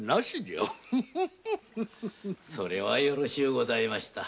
それはよろしゅうございました。